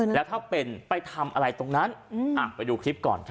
แล้วถ้าเป็นไปทำอะไรตรงนั้นไปดูคลิปก่อน